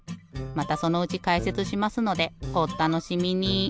またそのうちかいせつしますのでおったのしみに。